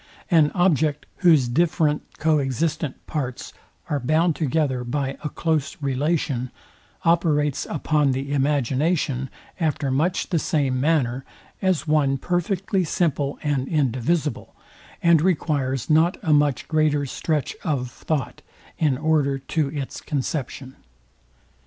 An object, whose different co existent parts are bound together by a close relation, operates upon the imagination after much the same manner as one perfectly simple and indivisible and requires not a much greater stretch of thought in order to its conception.